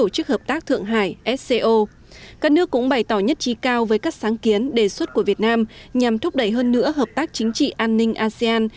các nước cũng bày tỏ nhất trí cao với các sáng kiến đề xuất của việt nam nhằm thúc đẩy hơn nữa hợp tác chính trị an ninh asean